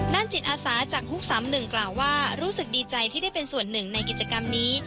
ด้านจิตอาสาจากฮุก๓๑กล่าวว่ารู้สึกดีใจที่ได้เป็นส่วนหนึ่งในกิจกรรมนี้